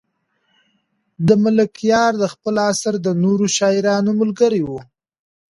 ملکیار د خپل عصر د نورو شاعرانو ملګری و.